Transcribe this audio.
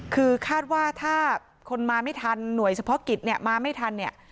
คือคาดว่าถ้าคนมาไม่ทันหน่วยเฉพาะกิจเนี่ยมาไม่ทันเนี่ย